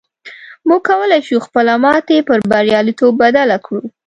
موږ کولی شو خپله ماتې پر برياليتوب بدله کړو.